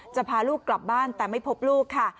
จะพาลูกกลับบ้านแต่ไม่พบลูกค่ะ